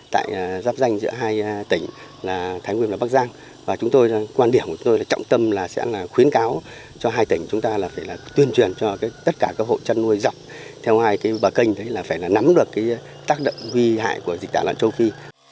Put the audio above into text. tại giáp danh giữa hai tỉnh là thái nguyên và bắc giang và chúng tôi quan điểm của tôi là trọng tâm là sẽ là khuyến cáo cho hai tỉnh chúng ta là phải là tuyên truyền cho tất cả các hộ chăn nuôi dọc theo hai cái bờ kênh đấy là phải là nắm được cái tác động nguy hại của dịch tả lợn châu phi